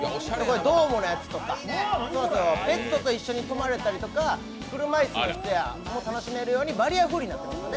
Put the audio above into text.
ドームのやつとかペットと一緒に泊まれたりとか、車いすの人も楽しめるようにバリアフリーになってます。